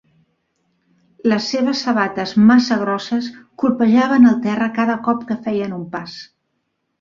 Les seves sabates massa grosses colpejaven el terra cada cop que feien un pas.